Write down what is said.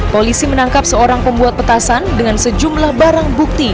polisi menangkap seorang pembuat petasan dengan sejumlah barang bukti